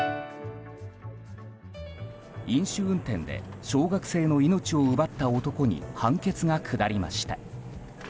飲酒運転で小学生の命を奪った男に判決が下りました。